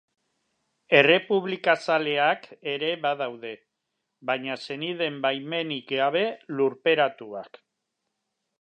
Errepublikazaleak ere badaude, baina senideen baimenik gabe lurperatuak.